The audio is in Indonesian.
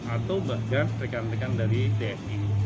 atau bahkan rekan rekan dari tni